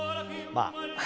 まあ。